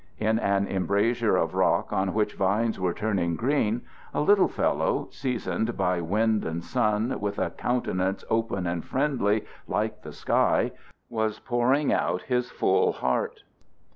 In an embrasure of rock on which vines were turning green, a little fellow, seasoned by wind and sun, with a countenance open and friendly, like the sky, was pouring out his full heart.